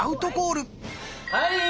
はい！